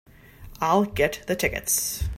I'll get the tickets.